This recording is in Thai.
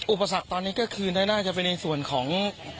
อุปสรรคตอนนี้ก็คือน่าจะเป็นในส่วนของ